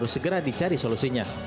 segera dicari solusinya